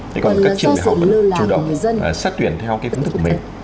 thì còn các trường học cũng chủ động xét tuyển theo cái phương thức của mình